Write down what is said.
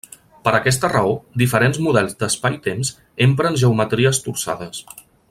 Per aquesta raó, diferents models d'espaitemps empren geometries torçades.